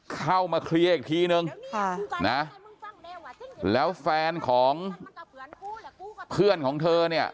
เข้ามาเคลียร์อีกทีนึงค่ะนะแล้วแฟนของเพื่อนของเธอเนี่ย